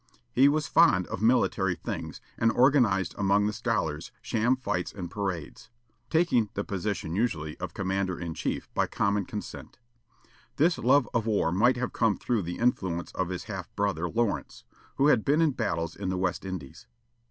He was fond of military things, and organized among the scholars sham fights and parades; taking the position usually of commander in chief, by common consent. This love of war might have come through the influence of his half brother Lawrence, who had been in battles in the West Indies.